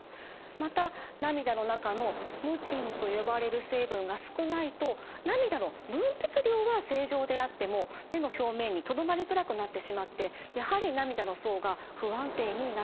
また涙の中のムチンと呼ばれる成分が少ないと涙の分泌量は正常であっても目の表面にとどまりづらくなってしまってやはり涙の層が不安定になってしまうんです。